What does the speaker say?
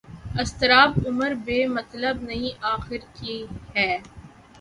اضطرابِ عمر بے مطلب نہیں آخر کہ ہے